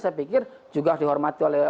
saya pikir juga harus dihormati oleh